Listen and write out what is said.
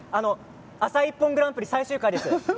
「あさＩＰＰＯＮグランプリ」最終日です。